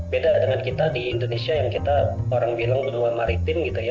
beda dengan kita di indonesia yang kita orang bilang benua maritim gitu ya